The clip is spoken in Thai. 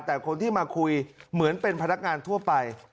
แต่คนที่มาคุยเหมือนเป็นพนักงานทั่วไป